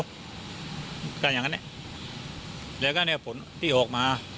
ก็อย่างนั้นเนี่ยแล้วก็เนี่ยผลที่ออกมา